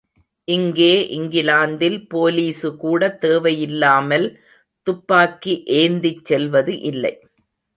இங்கே இங்கிலாந்தில் போலீசுகூட தேவை இல்லாமல் துப்பாக்கி ஏந்திச் செல்வது இல்லை.